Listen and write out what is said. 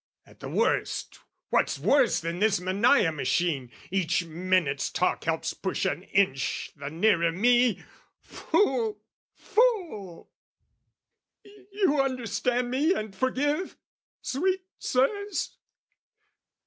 at the worst, what's worse Than this Mannaia machine, each minute's talk, Helps push an inch the nearer me? Fool, fool! You understand me and forgive, sweet Sirs?